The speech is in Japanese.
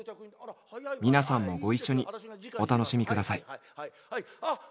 皆さんもご一緒にお楽しみください。